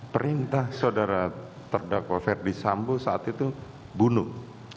perintah saudara terdakwa ferdi sambo saat itu bunuh